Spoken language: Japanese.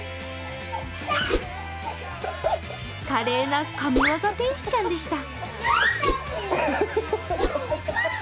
華麗な神業天使ちゃんでした。